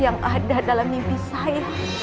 yang ada dalam mimpi saya